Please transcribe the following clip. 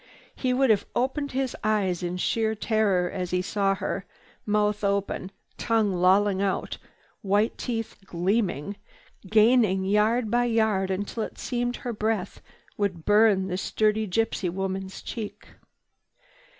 He would have opened his eyes in sheer terror as he saw her, mouth open, tongue lolling out, white teeth gleaming, gaining yard by yard until it seemed her breath would burn the sturdy gypsy woman's cheek.